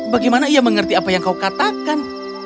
bagaimana dia akan mengerti apa yang kau katakan